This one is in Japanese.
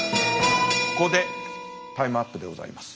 ここでタイムアップでございます。